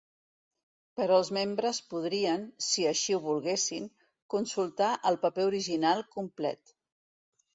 Però els membres podrien, si així ho volguessin, consultar el paper original complet.